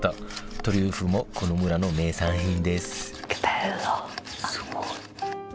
トリュフもこの村の名産品です